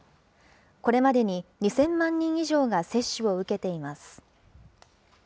これまでに２０００万人以上が接種を受けています。